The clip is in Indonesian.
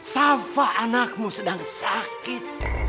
safa anakmu sedang sakit